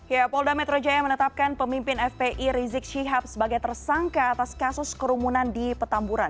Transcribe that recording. ya polda metro jaya menetapkan pemimpin fpi rizik syihab sebagai tersangka atas kasus kerumunan di petamburan